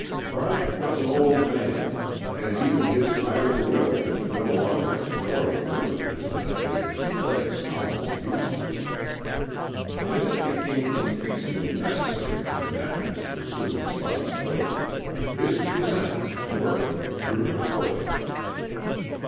Bryant was an old man, and even his iron will could no longer ignore the rheumatism that made his legs almost useless. As it became increasingly necessary for the nephews to assume responsibility, his resentment toward them grew proportionately.